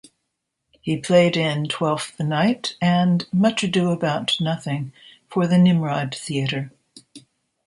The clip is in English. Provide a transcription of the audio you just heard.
He played in "Twelfth Night" and "Much Ado About Nothing" for the Nimrod Theatre.